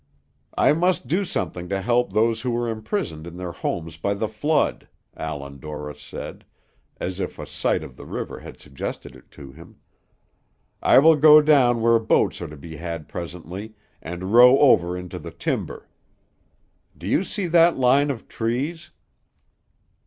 "I must do something to help those who are imprisoned in their homes by the flood," Allan Dorris said, as if a sight of the river had suggested it to him. "I will go down where boats are to be had presently, and row over into the timber. Do you see that line of trees?"